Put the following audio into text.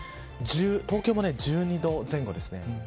東京も１２度前後です。